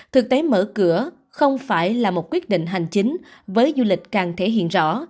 thực tế mở cửa không phải là một quyết định hành chính với du lịch càng thể hiện rõ